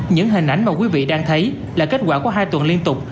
những hình ảnh mà quý vị đang thấy là kết quả của hai tuần liên tục